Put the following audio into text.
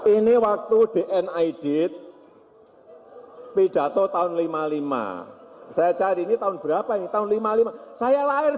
ini waktu dn aidit hai pidato tahun lima puluh lima saya cari ini tahun berapa ini tahun lima puluh lima saya lahir